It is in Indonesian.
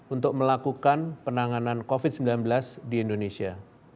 untuk melakukan penanganan covid sembilan belas di indonesia